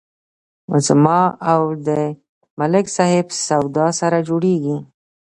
زما او د ملک صاحب سودا سره جوړیږي.